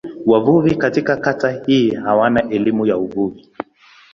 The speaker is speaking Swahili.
Wavuvi katika kata hii hawana elimu ya uvuvi.